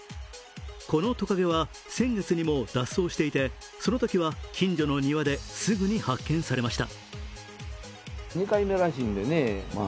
このトカゲは先月にも脱走していてそのときは近所の庭ですぐに発見されました。